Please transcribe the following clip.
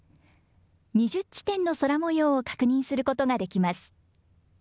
２０地点の空もようを確認することができます。